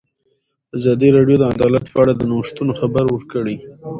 ازادي راډیو د عدالت په اړه د نوښتونو خبر ورکړی.